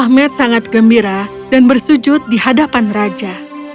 ahmed sangat gembira dan bersujud di hadapan raja